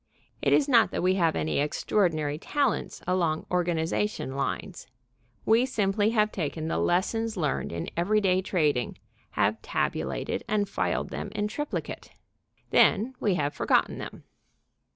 It is not that we have any extraordinary talents along organization lines. We simply have taken the lessons learned in everyday trading, have tabulated and filed them in triplicate. Then we have forgotten them.